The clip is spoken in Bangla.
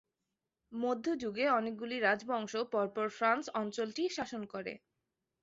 মধ্যযুগে অনেকগুলি রাজবংশ পরপর ফ্রান্স অঞ্চলটি শাসন করে।